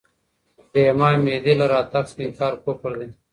د امام مهدي له راتګ څخه انکار کفر دی.